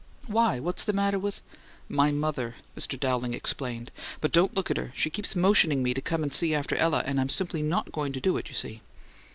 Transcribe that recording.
"Why? What's the matter with " "My mother," Mr. Dowling explained. "But don't look at her. She keeps motioning me to come and see after Ella, and I'm simply NOT going to do it, you see!"